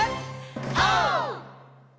オー！